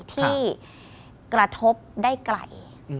ที่กระทบได้ไกล